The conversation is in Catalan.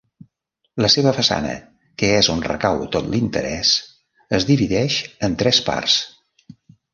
La seva façana, que és on recau tot l'interès, es divideix en tres parts.